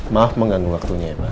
maaf mengganggu waktunya ya pak